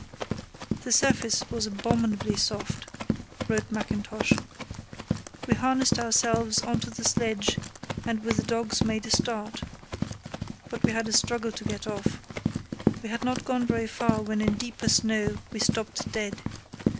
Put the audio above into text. "The surface was abominably soft," wrote Mackintosh. "We harnessed ourselves on to the sledge and with the dogs made a start, but we had a struggle to get off. We had not gone very far when in deeper snow we stopped dead.